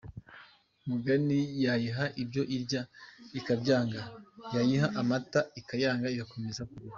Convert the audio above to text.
Mugani yayiha ibyo irya ikabyanga, yayiha amata ikayanga igakomeza kurira.